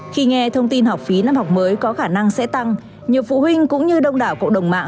khi nghe thông tin học phí năm học mới có khả năng sẽ tăng nhiều phụ huynh cũng như đông đảo cộng đồng mạng